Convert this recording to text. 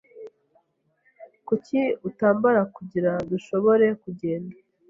Kuki utambara kugirango dushobore kugenda?